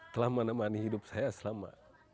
telah menemani hidup saya selama